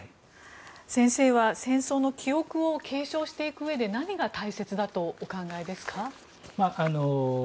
先生は戦争の記憶を継承していくうえで何が大切だとお考えですか。